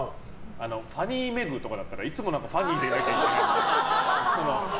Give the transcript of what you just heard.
ファニー・メグとかだったらいつもファニーでいなきゃいけない。